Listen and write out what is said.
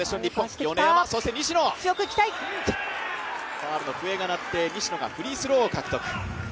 ファウルの笛が鳴って西野がフリースローを獲得。